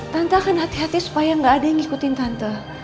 tante akan hati hati supaya nggak ada yang ngikutin tante